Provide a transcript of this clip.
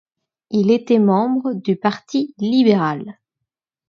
Il était membre du Parti libéral.